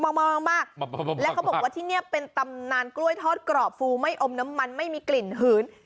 มากแล้วเขาบอกว่าที่นี่เป็นตำนานกล้วยทอดกรอบฟูไม่อมน้ำมันไม่มีกลิ่นหืน